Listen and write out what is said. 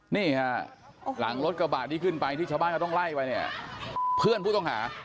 นี่ฮะหลังรถกระบะที่ขึ้นไปที่ชาวบ้านเขาต้องไล่ไปเนี่ยเพื่อนผู้ต้องหา